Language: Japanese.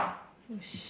よし。